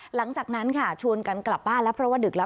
หลังจากนั้นชวนกันกลับบ้านรับพระว่าดึกแล้ว